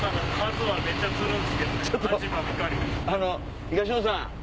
あの東野さん。